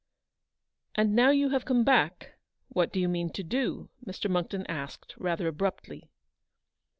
"And now you have come back, what do you mean to do ?" Mr. Monckton asked, rather abruptly.